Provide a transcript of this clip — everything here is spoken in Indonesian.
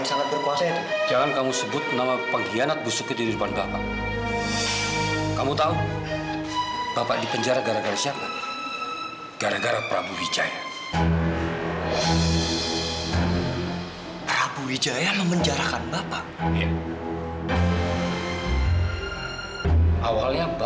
sampai jumpa di video selanjutnya